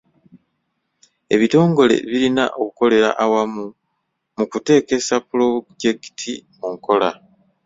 Ebitongole birina okukolera awamu mu kuteekesa pulojekiti mu nkola.